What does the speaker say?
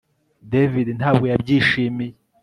David ntabwo yabyishimiye